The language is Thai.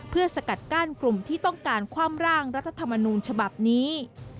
เพื่อสกัดกั้นกลุ่มที่ต้องการคว่ำร่างรัฐธรรมนูญฉบับนี้